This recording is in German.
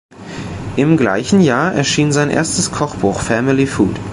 Im gleichen Jahr erschien sein erstes Kochbuch, "Family Food".